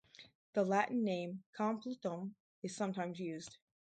The Latin name, "Complutum", is sometimes used.